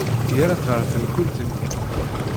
Yerra-tt ɣer tenkult-nni.